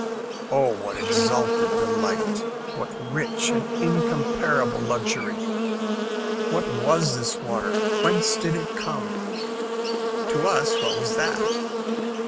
Oh! what exalted delight what rich and incomparable luxury! What was this water, whence did it come? To us what was that?